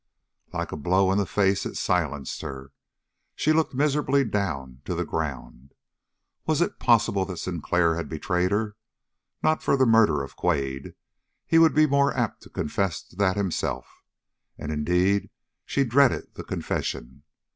Like a blow in the face it silenced her. She looked miserably down to the ground. Was it possible that Sinclair had betrayed her? Not for the murder of Quade. He would be more apt to confess that himself, and indeed she dreaded the confession.